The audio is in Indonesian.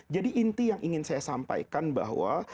jadi inti yang ingin saya sampaikan bahwa